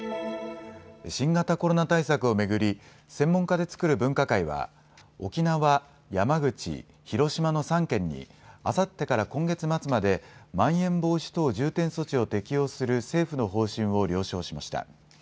新型コロナ対策を巡り専門家で作る分科会は沖縄、山口、広島の３県にあさってから今月末までまん延防止等重点措置を適用する政府の方針を了承しました。